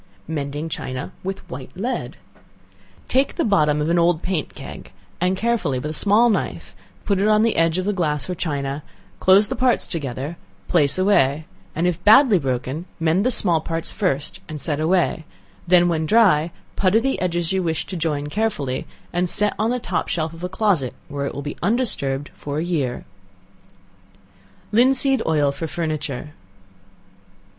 Mending China with White Lead. Take the bottom of an old paint keg, and carefully with a small knife, put it on the edge of glass or china, close the parts together, and place away; if badly broken, mend the small parts first, and set away; then when dry, putty the edges you wish to join carefully, and set on the top shelf of a closet, where it will be undisturbed for a year. Linseed Oil for Furniture.